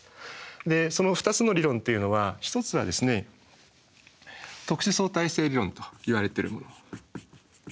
でその２つの理論というのは一つは「特殊相対性理論」といわれてるもの。